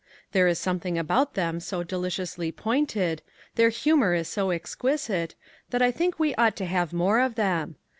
There is something about them so deliciously pointed, their humour is so exquisite, that I think we ought to have more of them.